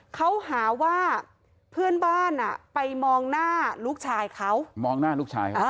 เขาหาว่าเพื่อนบ้านอ่ะไปมองหน้าลูกชายเขามองหน้าลูกชายเขา